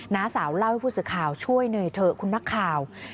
้าสาวเล่าให้ผู้สื่อข่าวช่วยหน่อยเถอะคุณนักข่าว